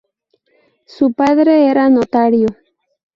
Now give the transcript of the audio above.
Su padre era notario.